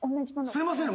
すいません